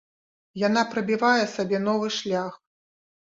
Яна прабівае сабе новы шлях.